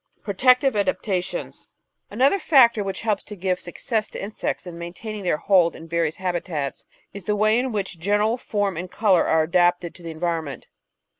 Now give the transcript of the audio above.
Protective Adaptations Another factor which helps to give success to insects in maintaining their hold in various habitats is the way in which general form and colour are adapted to the environment.